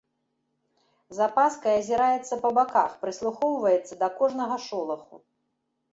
З апаскай азіраецца па баках, прыслухоўваецца да кожнага шолаху.